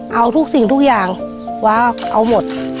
เอาทุกสิ่งทุกอย่างว้าเอาหมด